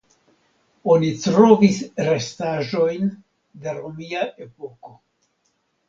Oni trovis restaĵojn de romia epoko.